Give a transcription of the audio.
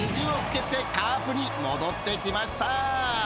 蹴ってカープに戻ってきました］